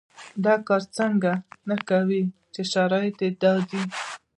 دا کار ځکه نه کوي چې شرط دا دی.